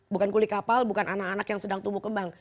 bukan kuli kapal bukan anak anak yang sedang tumbuh kembang